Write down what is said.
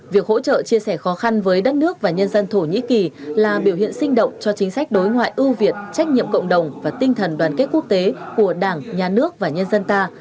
việc hỗ trợ chia sẻ khó khăn với đất nước và nhân dân thổ nhĩ kỳ là biểu hiện sinh động cho chính sách đối ngoại ưu việt trách nhiệm cộng đồng và tinh thần đoàn kết quốc tế của đảng nhà nước và nhân dân ta